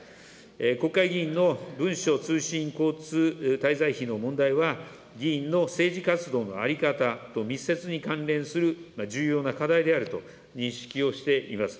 国会議員の文書通信交通滞在費の問題は、議員の政治活動の在り方と密接に関連する重要な課題であると認識をしています。